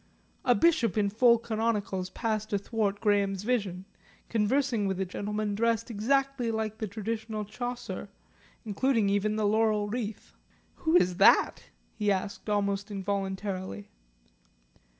A bishop in full canonicals passed athwart Graham's vision, conversing with a gentleman dressed exactly like the traditional Chaucer, including even the laurel wreath. "Who is that?" he asked almost involuntarily.